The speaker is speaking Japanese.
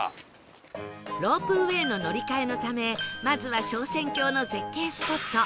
ロープウェイの乗り換えのためまずは昇仙峡の絶景スポット